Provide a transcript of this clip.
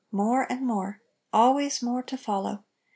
more and more ! Always more to follow